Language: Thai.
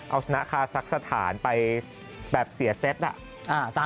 เอาชนะคาซักสถานไปแบบเสียเซตอะ